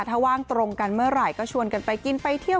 ถ้าว่างตรงกันเมื่อไหร่ก็ชวนกันไปกินไปเที่ยว